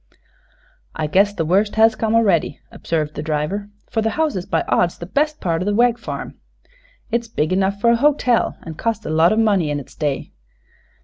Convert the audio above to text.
"I guess the worst has come a'ready," observed the driver; "for the house is by odds the best part o' the Wegg farm. It's big enough fer a hotel, an' cost a lot o' money in its day.